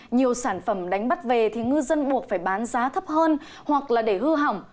nhiều sản phẩm đánh bắt về ngư dân buộc phải bán giá thấp hơn hoặc để hư hỏng